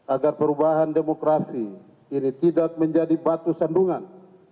agar perubahan demografi ini tidak menjadi batu sandungan